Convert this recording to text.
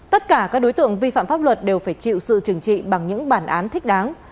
tất cả các đối tượng vi phạm pháp luật đều phải chịu sự trừng trị bằng những bản án thích đáng